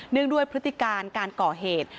เนื่องด้วยพฤติการณ์การก่อเหตุ